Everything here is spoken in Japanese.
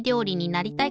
なりたい！